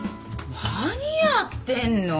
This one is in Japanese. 何やってんの？